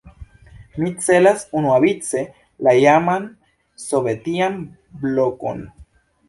Mi celas unuavice la iaman sovetian "blokon".